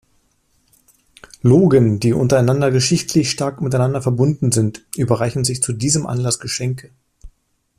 Logen, die untereinander geschichtlich stark miteinander verbunden sind, überreichen sich zu diesem Anlass Geschenke.